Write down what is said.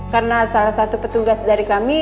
karena salah satu petugas dari kami